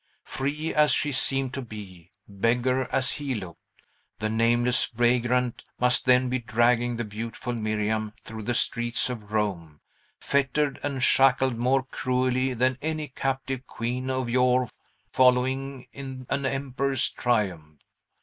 Free as she seemed to be, beggar as he looked, the nameless vagrant must then be dragging the beautiful Miriam through the streets of Rome, fettered and shackled more cruelly than any captive queen of yore following in an emperor's triumph.